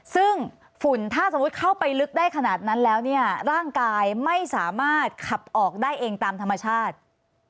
ซึ่งฝุ่นถ้าสมมุติเข้าไปลึกได้ขนาดนั้นแล้วเนี่ยร่างกายไม่สามารถขับออกได้เองตามธรรมชาติ